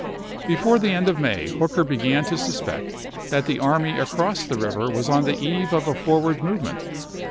Before the end of May Hooker began to suspect i863. that the army across the river was on the eve of a forward movement.